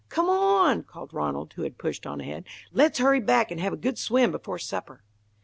"Come on!" called Ranald, who had pushed on ahead. "Let's hurry back and have a good swim before supper."